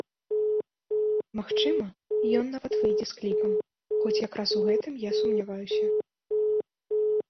Магчыма, ён нават выйдзе з кліпам, хоць як раз у гэтым я сумняваюся.